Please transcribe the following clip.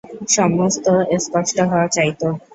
সমস্ত স্পষ্ট হওয়া চাই তো।